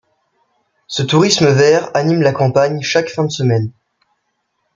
Ce tourisme vert anime la campagne chaque fin de semaine.